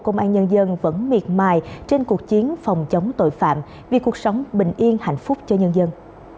công an nhân dân vẫn miệt mài trên cuộc chiến phòng chống tội phạm vì cuộc sống bình yên hạnh phúc cho nhân dân